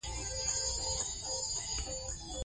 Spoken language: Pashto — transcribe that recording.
ځینې خلک اوس هم پوښتل کوي.